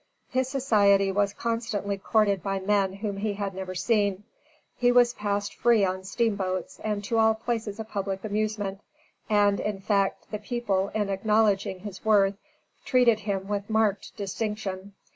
His society was constantly courted by men whom he had never seen; he was passed free on steamboats and to all places of public amusement; and, in fact, the people, in acknowledging his worth, treated him with marked distinction.